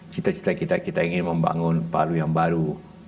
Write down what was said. cita cita kita kita ingin membangun palu yang baru